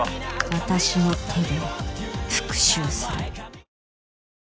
私の手で復讐する。